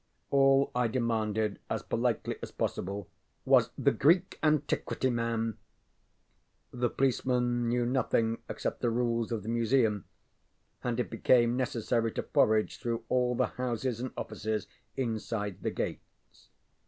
All I demanded, as politely as possible, was ŌĆ£the Greek antiquity man. ŌĆØ The policeman knew nothing except the rules of the Museum, and it became necessary to forage through all the houses and offices inside the gates.